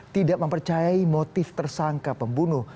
tidak mempercayai motif tersangka pembunuh